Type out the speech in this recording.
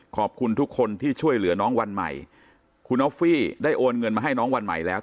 ขอบคุณทุกคนที่ช่วยเหลือน้องวันใหม่คุณออฟฟี่ได้โอนเงินมาให้น้องวันใหม่แล้ว